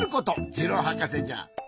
ジローはかせじゃ。